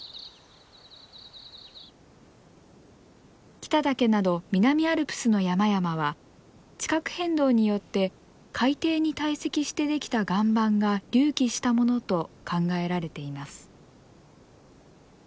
北岳など南アルプスの山々は地殻変動によって海底に堆積してできた岩盤が隆起したものと考えられています。